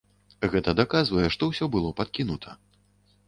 Гэта даказвае, што ўсё было падкінута.